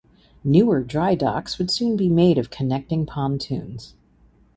Newer dry docks would soon be made of connecting pontoons.